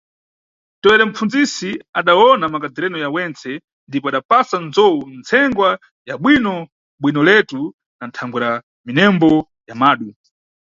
Tewere mpfunzisi adawona makadhereno ya wentse ndipo adapasa nzowu ntsengwa ya bwino-bwinoletu na thangwera minembo ya madu.